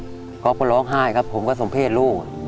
ด้วยความร้องไห้ผมก็สมเพศลูก